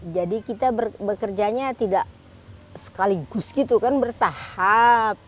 jadi kita bekerjanya tidak sekaligus gitu kan bertahap